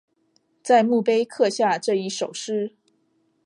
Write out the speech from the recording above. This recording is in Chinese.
在墓碑刻下这一首诗